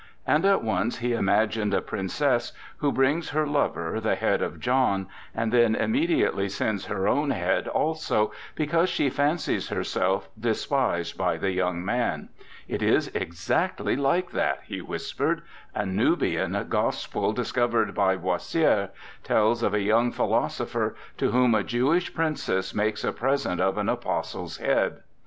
And at once he imagined a princess who brings her lover the head of John, and then immediately sends her own head also, because she fancies herself despised by the young man. "It is exactly like that," he whispered. "A Nubian gospel discovered by Boissiere tells of a young phi losopher, to whom a Jewish princess makes a present of an apostle's head.